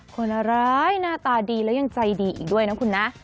คนร้ายหน้าตาดีแล้วยังใจดีอีกด้วยนะคุณนะ